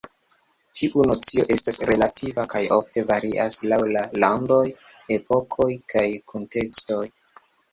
Tiu nocio estas relativa, kaj ofte varias laŭ la landoj, epokoj kaj kuntekstoj.